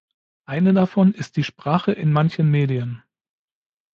Eine davon ist die Sprache in manchen Medien.